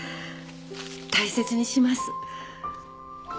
大切にします。